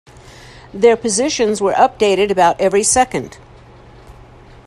Their positions were updated about every second.